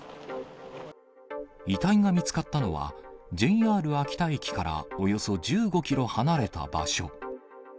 遺体が見つかったのは、ＪＲ秋田駅からおよそ１５キロ離れた場所。